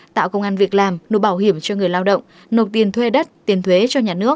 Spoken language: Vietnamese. tạo công an việc làm nộp bảo hiểm cho người lao động nộp tiền thuê đất tiền thuế cho nhà nước